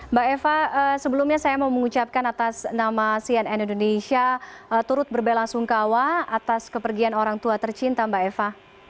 mbak eva sebelumnya saya mau mengucapkan atas nama cnn indonesia turut berbela sungkawa atas kepergian orang tua tercinta mbak eva